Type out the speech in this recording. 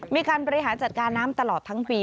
มีการบริหารจัดการน้ำตลอดทั้งปี